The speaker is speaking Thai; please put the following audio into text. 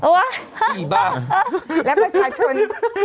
นี่อีกบ้าง